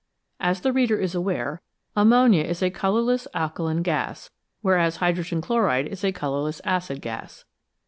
As the reader is aware, ammonia is a colourless alkaline gas, whereas hydrogen chloride is a colourless acid gas.